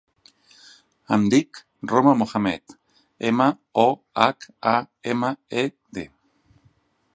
Em dic Roma Mohamed: ema, o, hac, a, ema, e, de.